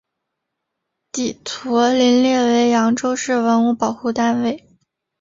祗陀林列为扬州市文物保护单位。